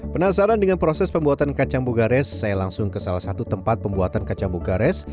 penasaran dengan proses pembuatan kacang bogares saya langsung ke salah satu tempat pembuatan kacang bogares